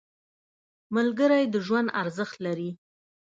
• ملګری د ژوند ارزښت لري.